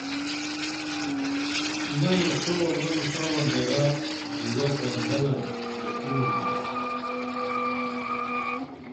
مئی ݜعوہ نم ساں درہ ڈیوہ پرمبلن گٹینُم ائی